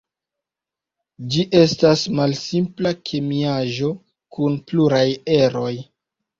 Ĝi estas malsimpla kemiaĵo kun pluraj eroj.